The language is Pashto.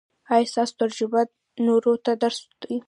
ایا ستاسو تجربه نورو ته درس دی؟